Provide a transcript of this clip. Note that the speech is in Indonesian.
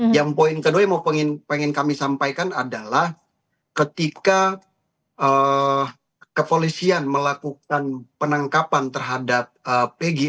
yang poin kedua yang ingin kami sampaikan adalah ketika kepolisian melakukan penangkapan terhadap pg